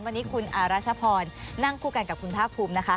วันนี้คุณอารัชพรนั่งคู่กันกับคุณภาคภูมินะคะ